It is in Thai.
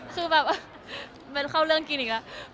หลักเกิดเข้าพี่ทริงอยู่กันอีกแล้ว